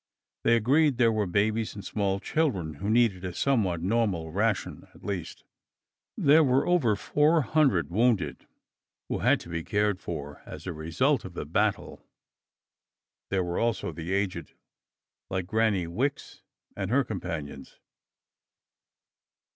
They agreed there were babies and small children who needed a somewhat normal ration, at least. There were over four hundred wounded who had to be cared for as a result of the battle. There were also the aged, like Granny Wicks, and her companions.